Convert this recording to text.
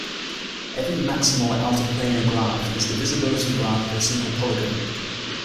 Every maximal outerplanar graph is the visibility graph of a simple polygon.